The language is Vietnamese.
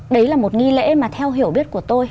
đấy là một nghi lễ mà theo hiểu biết của tôi